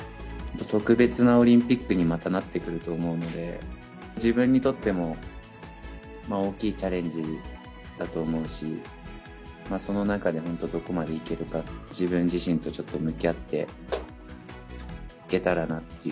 特別なオリンピックにまたなってくると思うので、自分にとっても大きいチャレンジだと思うし、その中で本当、どこまでいけるか、自分自身とちょっと向き合っていけたらなっていう。